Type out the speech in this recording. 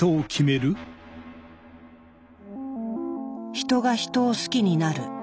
人が人を好きになる。